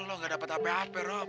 lo gak dapat ape ape rob